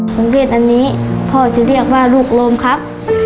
โรงเรียนอันนี้พ่อจะเรียกว่าลูกโรมครับ